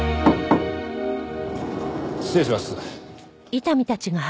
失礼します。